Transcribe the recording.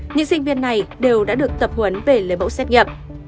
những sinh viên này đều đã được tập huấn về lấy mẫu xét nghiệm